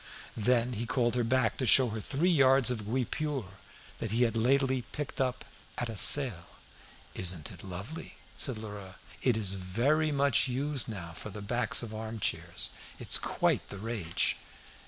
Then he called her back to show her three yards of guipure that he had lately picked up "at a sale." "Isn't it lovely?" said Lheureux. "It is very much used now for the backs of arm chairs. It's quite the rage."